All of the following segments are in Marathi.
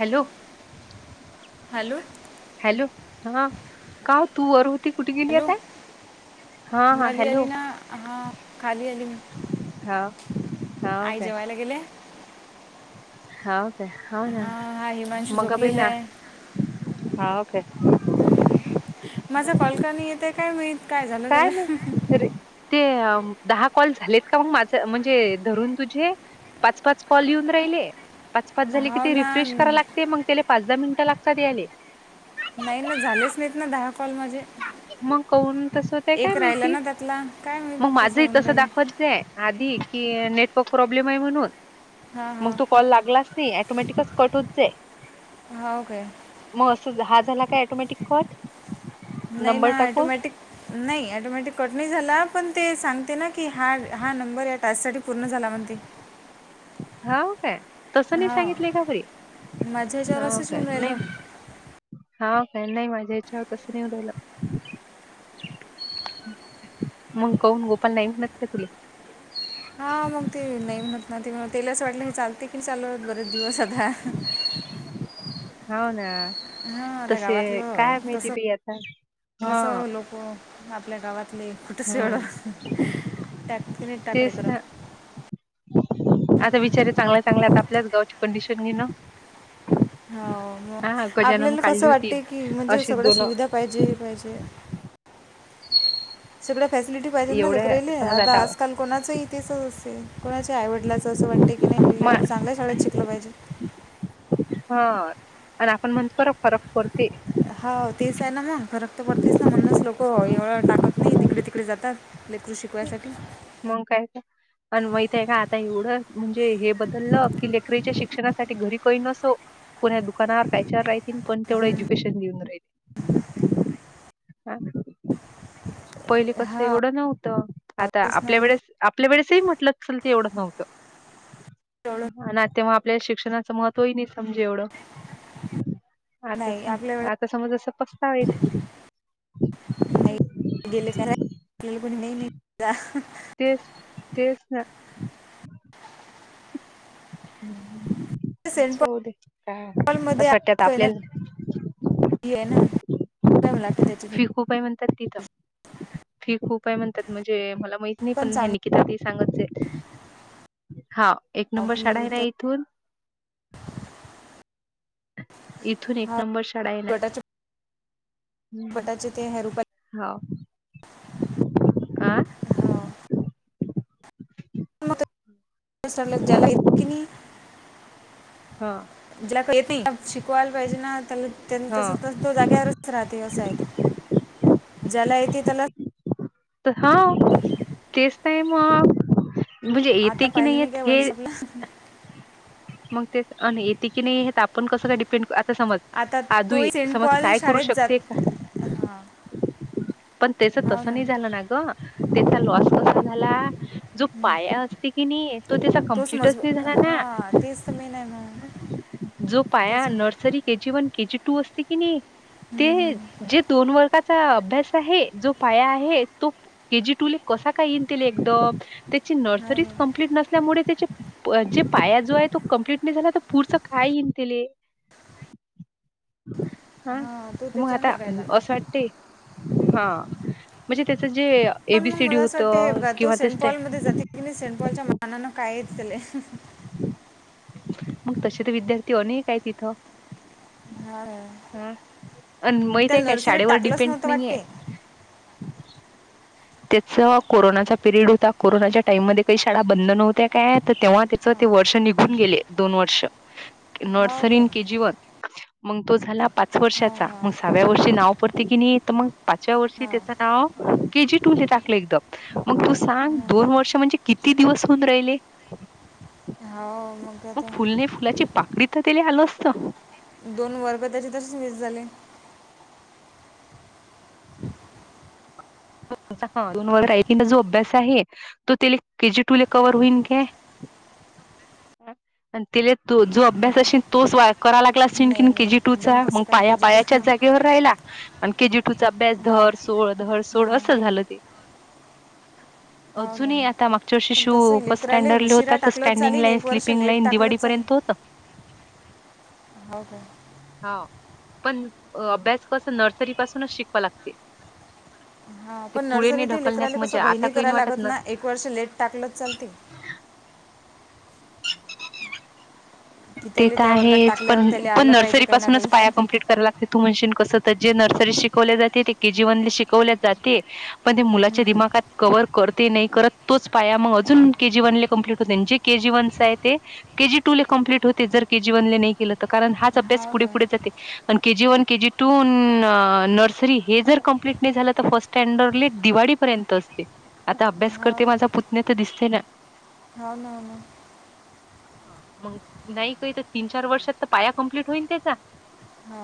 हॅलो हॅलो हॅलो हा का तू वर होती कुठे गेली आता हा हा नली हॅलो अली ना हा खाली अली हा आई जेवायला गेले हो का हो ना हां हा हिमांशू मग बी झोपलेला ना आहे हा ओके माझं कॉल का नाही येते काय माहित काय मी अरे ते दहा कॉल झालेत का मग माझं म्हणजे धरून तुझे पाच पाच कॉल येऊन राहिले पाच पाच झाले की हो ते ना रिफ्रेश कराव नाही लागते मग त्याला पाच दहा मिनिटं लागतात यायले नाही ना झालेच नाहीत ना दहा कॉल म्हजे मग काऊन तसं होतय काय एक राहिला माहिती ना त्यातला काय मी मग कसं माझंही होऊन तसं राहिल दाखवत आधी कि नेटवर्क प्रॉब्लेम आहे म्हणून हां मग हां तो कॉल लागलाच नाही ऍटोमॅटिकच कट होत जा हो काय मग असं हा झाला काय ऑटोमॅटिक कट नाही नाही ॲटोमॅटिक नाही टोमॅटिक कट नाही झाला पण ते सांगते ना की हा हा नंबर या टाचसाठी पूर्ण झाला म्हणते हो काय तसं नाही हां सांगितलंय कारी माझ्या ह्याच्यावर हो असंच काय होऊन नाही राहिलं हा का नाही माझ्या याच्यावर तसं नाही उडवलं मग कौन गोपाल नाही म्हणत का तुला हा मग ते नाही म्हणत ना ते. तेला असं वाटलं हे चालते की नाही चालत बरेच दिवस आता. हो ना. हा. आता तसे गावातलं काय माहिती तस, बाई आता कस हा लोक- हो. आपल्या गावातले कुठ सव हम्म तेच ना [unintelligible] आता विचारये चांगल्या चांगल्या. आता आपल्याच गावची कंडिशन घे ना. हां. मग गजानन आपल्याला काढली कसं होती वाटतय की म्हणजे अशीच सगळ्या दोन सुविधा पाहिजे हे पाहिजे. सगळ्या फॅसिलिटी पाहिजे ना एवढ्या लेकरायले? समज आता आजकाल- कोणाचंही तेच असेल. कोणाच्या आई वडिलाचं असं वाटते की नाही आपल म लेकरु चांगल्या शाळेत शिकलं पाहिजे. हा आणि आपण म्हणतो [unintelligible] फरक पडते. हाव तेच आहे ना म फरक तर पडतेच ना? म्हणूनच लोक- हो एवढं टाकत नाही. ईकडे तिकडे जातात लेकरु शिकवायसाठी मंग काय तर. पण माहित आहे का? आता एवढं म्हणजे हे बदललं की लेकरायच्या शिक्षणासाठी घरी काही नसो- कोण्या दुकानावर [unintelligible] राहितील पण तेवढं एज्युकेशन देऊन राहिल. हा. पहिले कसं हा एवढं नव्हतं. आता तेच ना आपल्या मग वेळेस- आपल्या वेळेसही म्हटल असल काही एवढं नव्हतं. एवढं हो ना, तेव्हा आपल्याला शिक्षणाचं महत्व- तय नाही समजे एवढ. आता नाही स आपल्या वेळेस -आता समज असं पस्तावा येते - नाही गेले. का [unintelligible] तेच. तेच ना. [unintelligible] सेंट असं वाटतं पॉलमध्ये काही ना आपल्याला- [unintelligible] फी खूप आहे म्हणतात तिथ. फी खूप आहे म्हणतात म्हणजे मला माहीत नाही पण ह्यांनी - [unintelligible] हा एक नंबर शाळा ही आहे ना तर इथून? तथून एक हा नंबर शाळा आहे ना. गटाचे हं. गटाचे ते हे रुपये हाव. आ हा. [unintelligible] की नाही. ह ज्याला कळत नाही. शिकवायला पाहिजे ना त्या त्यांनी ह तस- तो जाग्यावरच राहते अस होत. ज्याला येते त्याला- हा तेच तर आहे मग. म्हणजे आता येतय की नाही पाहिलं येत काय हे वंश - आपला मंग तेच. अन येते की नाही येत आपण कसं काय डिपेंड आता समज- आता आदू तोही सेंट समज पॉल काय करू शाळेत शकते का जात- हा. पण त्याच तस नाही झालं ना ग. त्याचा लॉस कसा झाला? जो पाया असते कि नाही? तो त्याचा तोच कंम्प्लिटच नाही मजबूत झाला हां ना. तेच तर मेन आहे मग जो पाया त्याचं nursery- K G one K G two असते की नाही? ते जे दोन वर्गाचा अभ्यास- जो पाया आहे तो के जी टू ला कसा काय येईल तिले एकदम? ची हो नर्सरीच नाही कंप्लीट नसल्यामुळे त्याच्या- जे पाया जो आहे तो कम्प्लीट नाही झाला तर पुढच काय एईल तिले? हा. हां तो मग आता त्याच्यानं करायला असं वाटते- हा. म्हणजे त्याचं जे- पण मग एबीसीडी मला असं होतं वाटतंएकदा, तो किंवा तेच सेंट ते पॉल स्टॅ मध्ये जाते की मी सेंटपॉलच्या मानान काय येत तिले? मग तसे तर विद्यार्थी अनेक आहेत इथं. हा. अन माहित आहे त्याला. काय नर्सरीत शाळेवर टाकलंच डिपेंड नव्हतं नाहीये. वाटते त्याचा कोरोनाचा पिरियड होता. कोरोनाच्या टाइम मधे काही शाळा बंद नव्हत्या काय? तर तेव्हा त्याच- वर्ष निघून गेले. दोन वर्ष हो नर्सरी काय न के जी वन- मंग तो झाला पाच हां वर्षाचा. हां मग सहाव्या वर्षी नाव पडते की नाही तर मंग - पाचव्या वर्षी हां त्याच नाव के जी- तुले टाकले एकदम मग तू सांग दोन वर्ष म्हणजे किती दिवस होऊन राहिले? हो मग आता फुल नाही फुलाची पाकडी तर तेला आले असत. दोन वर्ग त्याचे त्याचे तसेच वीस झाले. दोन वर्ष जो अभ्यास आहे तो त्याला के जी टू कव्हवर होईन का? आणि तिला तो जो अभ्यास असेल तोच करा लागला असे कि नाही नाही केजी एकदम टूचा मग कसं काय पाया के जी टी पायाच्या हो जागेवर राहिला केजी टूचा अभ्यास हां धर सोड धर सो झालं ते. हो ना अजूनही आता मागच्या वर्षी पण शू तसं बस लेकराले स्टँडर्डले उशिरा होतातर टाकलं स्टँडिंग चालेल लाईन एक वर्ष स्लीपिंग लेट लाईन टाकलं चालेल दिवाळीपर्यंत तो त हो का? पण अभ्यास कस नर्सरी पासूनच शिकवा लागते. हा ते पण पुढे नाही नर्सरीत ढकलण्यात लेकराले म्हणजे कसं आता गहिणी काही नाही कराला वाटत लागत न ना एक वर्ष लेट टाकलच चालते की ते त्याला तर त्या वर्गात आहेच टाकल्यावर पण त्याला पण आलं पाहिजे नर्सरी काही ना पासूनच काही पाया कमप्लीट करा लागते. तू म्हणशन कस तर जे नर्सरी शिकवल्या जाते ते के जी वनले शिकवल्या जाते. पण ते मुलाच्या दिमागात कवर करते नाही करत तोच पाया मग अजून के जी वनला कंप्लीट होते. जे - - के जी वन आहे ते के जी टू ला कम्प्लीट - - तु जर के जी वनने नाही केलं तर कारण हो हाच ना अभ्यास पुढे पुढे जाते. आणि K G one, K G two, nursery हे जर कंप्लीट नाही झालं तर फर्स्ट - - स्टँडर्डले दिवाळीपर्यंत असते आता अभ्यास हो करते माझा पुतण्या तर दिसते ना. हो ना हो ना मग नाही काही तर तीन चार वर्षात तर पाया कमप्लीट होईल त्याचा. हो.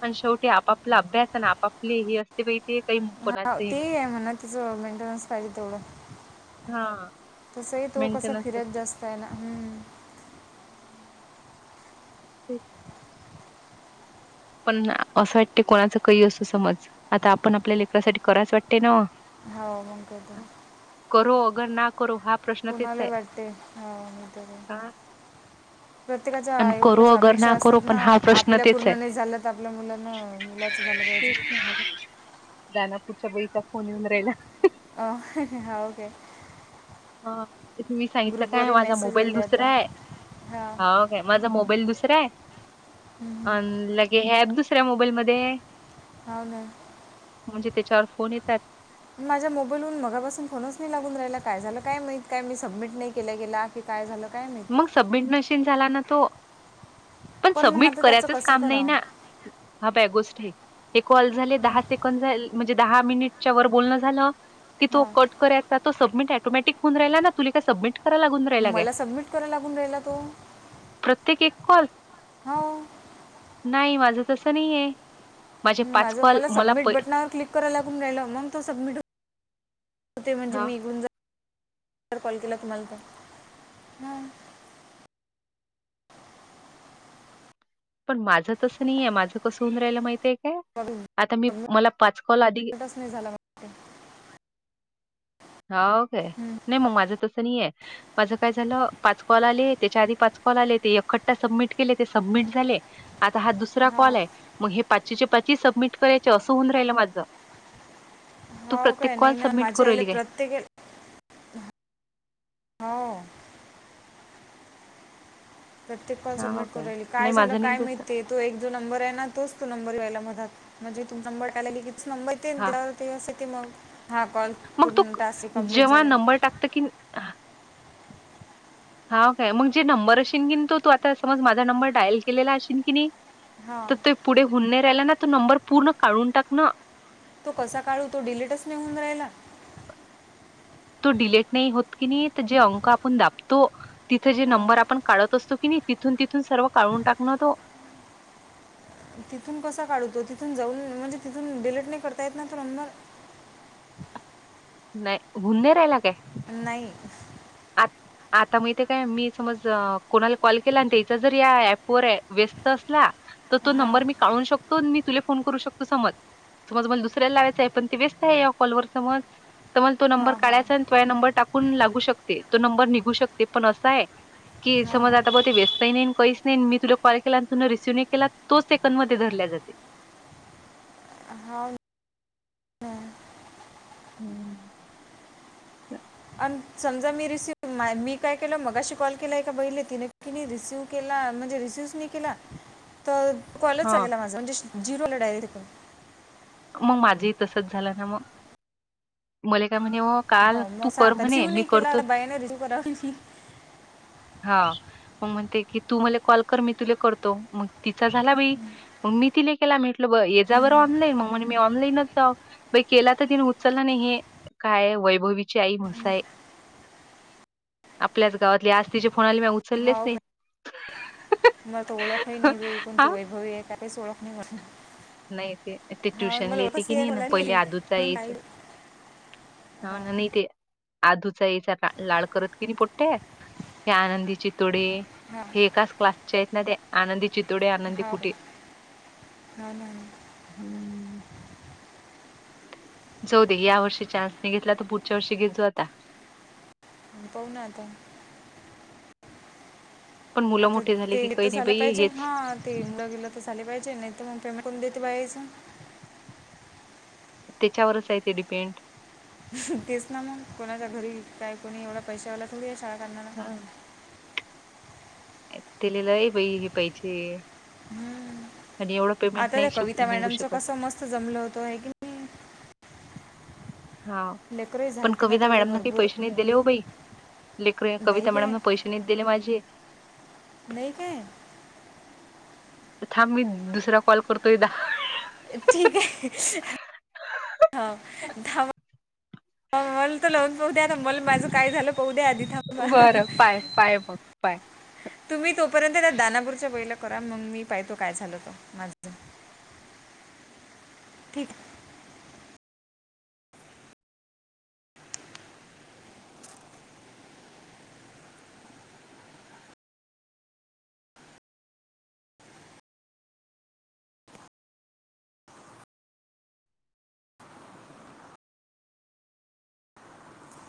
पण शेवटी आपापला अभ्यास आणि आपापले हे असते बाहि ते काही हो कोणाचही ते न आहे म्हणा तिचं मेंटेन्स पाहिली तेवढं हा. तसंही तो कसा मेंटेनन्स फिरत जास्त आहे ना. [inaudible] ठीक. पण असं वाटते कोणाच काही असू समज आता आपण आपल्या लेकरासाठी करायच वाटते ना. हो. मंग काय तर. करो अगर ना करो हा प्रश्न तेच कुणाला आहे. वाटते हो मी तर प्रत्येकाच्या आणि करू आईवडल्याच्या अगर अपेक्षा करू असतात ना पण हा प्रश्न आपल्या पूर्ण नाही झालंत आपल्या मुला - - तेच नाही दना पुढच्या बईचा फोन येऊन राहिला. अ होय काय. ह इथे मी सांगितलं काय ग्रुपवरही माझा मेसेज मोबाईल आले आता दुसरा हाय. हा माझा मोबाईल दुसरा हाय. हम् ह. पण लगे हे अँप दुसऱ्या मोबाईलमध्ये हाय. हावना. म्हणजे त्याच्यावर फोन येतात. माझ्या मोबाईलहून मगापासून फोनच नाही लागून राहिला. काय झालं काय माहित. काय मी सबमिट नाही केल्या गेला. काय झालं काय माहि - - मग सबमिट नशीन झाला ना तो. पण मग सबमिट आता त्याचं करायचच कसं काम नाही करावं ना हा बॅ गोष्ट आहे हे कॉल झाले हां दहा सेकंद - - म्हणजे दहा मिनिटच्या वर बोलणं झालं - - क तो हां करायचा तो सबमिट ॲटोटिक होऊन राहिला ना तुला काय सबमिट करा लागुन राहिला काय? मला सबमिट करायला लागून राहिला तो प्रत्येक एक कॉल? हा. नाही. माझं तसं नईआय. माझं मला सबमिट बटनावर क्लिक - - कराय लागुन राहिल मंग ते सबमिट हो [unintelligible] ते हा निघुन जा कॉल केला तुम्हाला तर पण माझं तसं नाही आहे माझं कसं होऊन राहियला माहितय काय कर आता मी मला पाचकॉल आधि नाही झाला मला हो काय वाटते. नाही मग माझं तसं नाही आहे माझं काय झालं पाच कॉल आले त्याच्या आधी पाच कॉल आले ते एकखट्टा सबमिट केले ते सबमिट झाले आता हा दुसरा कॉल आहे मग हे पाचच्या पाच सबमिट करायच असं होऊन राहिल माझं तू हो प्रत्येक काय नाही कॉल ना सबमिट माझ्या याला करली काय प्रत्येक याला- हो प्रत्येक कॉल हां, हो सबमिट करायला नाही काय झालं माझं नाही काय माहित तसं. ते तो एक जो नंबर आहे ना तोच तो नंबर यायला मधात म्हणजे तू नंबर टालेली कीच नंबर येते हां, ना ते त मग हा कॉल पूर्ण टास्क कमप्लीट झाला टाकत की हा काय मग जे नंबर असेन की तो तू आता समज माझा नंबर डायल केलेला असशल की नाही हा तर तो पुढे हुनणे राहिला ना तो नंबर पूर्ण काढून टाक ना तो कसा काढू तो डिलीटच नाही होऊन राहिला तो डिलेट नाही होत की नाही तर जे अंक आपण दाबतो तिथं जे हा नंबर आपण काढत असतो की नाही तिथून तिथून सर्व काढून टाकणं तो तिथून कसा काढूतो तिथून जाऊन म्हणजे तिथून डिलेट नाही करता येत ना तर अमदार नाही गुनहे राहायला काय नाही अ आता माहििते काय मी समज कोणाला कॉल केला आणि त्याचा जर या ऍपवरर व्यस्त असला तर तो हां नंबर मी काढू शकतो मी तुला फोन करू शकतो समज समज मला दुसऱ्याला लावायच आहे पण ते व्यस्त आहे या कॉलवर समज तर मला तो नंबर हां हां काढायचा आणि तो नंबर टाकून लागू शकते तो नंबर निघू शकते पण असा आहे कि हां समज आता ब हां ते व्यस्तही नाही काही नाही मी तुला कॉल केला आणि तु रिसीव नाही केला तो सेकंड मध्येधल्या जाते हा हम्म आणि समजा मी रिसीव मा मी काय केलं मगाशी कॉल केलाय का बहिले तिने की रिसीव केला म्हणजे रिसीव नाही केला तर कॉलच हा चागेला माझं म्हणजे झिरोला डायरेटून मग माझी तसच झालं ना मग मला काय म्हणे काल हो तू मग कर सातार म्हणे शिव मी नाही केला करतो बाई न रिसिव्ह करावा ना हा मग म्हणते की तू मला कॉल कर मी तुला करतो मग तिचा झाला बाई मग मी ति केयला म्हटलं ब या जा बं ऑनलाई मग मी ऑनलाईनच जा केला तर तिने उचलला नाही काय वैभवीची आई म्हसाय आपल्याच गावातली आज तिच्या फोनाली म उचललेच नाही म मला तो ओळखही नाही वेळी कोणती हा वैभवी आहे का काहीच ओळख नाही नाही ते ते हा ट्युशन ल मला येते ओळखच की आहे नाही ना मला पहिले हे आदूचा म्हणून एच काही हा न हां नाही ते आधूचा याचा लाळ करत कि नाही पोट्ट्या हे आनंदीचे तोडे हां हेकाच क्लासचे आहेत ना ते आनंदी चितोडे आनंदी कुठे ह ना हम्म जाऊ दे या वर्षी चा्स नाही घेतला तर पुढच्या वर्षी घेत जाो आता पाउ ना आता पण मुलं आता मोठे झाले ते की तर काही नाही झालं बाई पाहिजे हेच हा तेलं गेलं तर झाले पाहिजे नाही तर मग पेमेंट करून देते बायचं त्याच्यावरच आहे ते डिपेंड तेच ना मग कोणाच्या घरी काय कोणी एवढा पैशावाला थोड आहे शाळा करणारना तलेला आहे बाई हे पाहिजे हम्म. आणि एवढं पेमेंट आता नाही त्या शिक कविता निघू मॅडमच शकत. कस मस्त जमल होतं आहे की नाही हा लेकरही पण झालते ना कविता तेवढे मॅडमने काही भरपूर पैशनी दिले हो बाई लेख नाही कविता काय मॅडम पैसे न दिले माझे नाही काय थांब मी दुसरा कॉल करतोयदा ठीक आहे ह वा मला त लवून पाह द्या ना मल माझं काय झालं पाहू द्या आधी थांबा बरं पाय पाय मग पाय तुम्ही तोपर्यंत त्या दानापूरच्या वेला करा मग मी पाहतो काय झाल त माझ ठीक